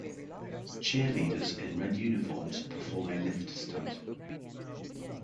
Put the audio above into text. Cheerleaders in red uniforms perform a lift stunt.